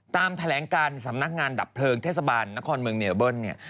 แถลงการสำนักงานดับเพลิงเทศบาลนครเมืองเนลเบิ้ลเนี่ย